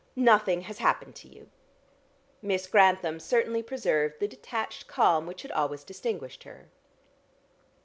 Nothing has happened to you." Miss Grantham certainly preserved the detached calm which had always distinguished her.